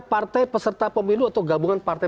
partai peserta pemilu atau gabungan partai